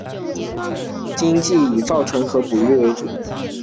经济以造船和捕鱼为主。